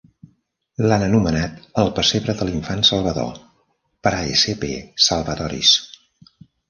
L'han anomenat "El pessebre de l'infant Salvador", "Praesepe Salvatoris".